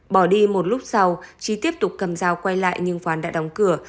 bỏ đi một lúc sau trí tiếp tục cầm dao quay lại nhưng quán đã đóng cửa